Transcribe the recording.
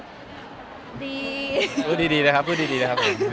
พี่โป๊ปก็เป็นพี่ชายที่ดีค่ะเป็นผู้ร่วมงานที่ดีมาก